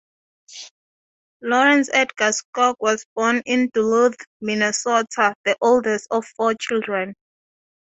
Laurence Edgar Skog was born in Duluth, Minnesota, the oldest of four children.